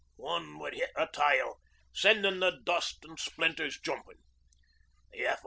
_ one would hit a tile, sending the dust an' splinters jumpin'. The F.